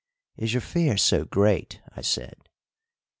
"Is your fear so great?" I said.